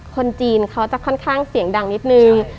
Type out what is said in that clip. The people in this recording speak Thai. คนจีนเขาจะค่อนข้างเสียงดังนิดนึง